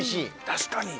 確かに。